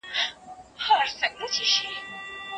د لويي جرګې بلنلیکونه کله وېشل کېږي؟